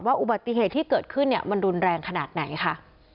อุบัติเหตุที่เกิดขึ้นมันรุนแรงขนาดไหนค่ะ